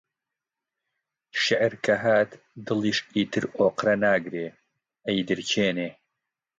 شیعر کە هات دڵیش ئیتر ئۆقرە ناگرێ، ئەیدرکێنێ